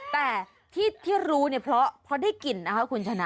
แต่ที่รู้เนี่ยเพราะได้กลิ่นนะคะคุณชนะ